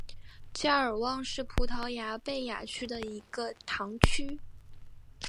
加尔旺是葡萄牙贝雅区的一个堂区。